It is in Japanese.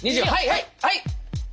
はい！